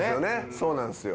そうなんすよ。